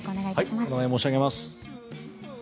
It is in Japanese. お願い申し上げます。